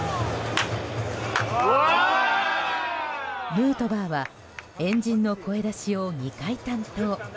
ヌートバーは円陣の声出しを２回担当。